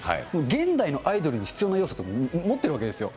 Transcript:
現代のアイドルに必要な要素を持ってるわけですよ。